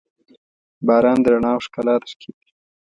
• باران د رڼا او ښکلا ترکیب دی.